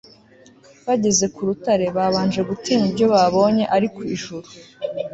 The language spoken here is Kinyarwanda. bageze ku rutare, babanje gutinya ibyo babonye, ariko ijuru